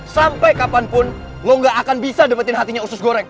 sampai kapanpun lo gak akan bisa dapetin hatinya usus goreng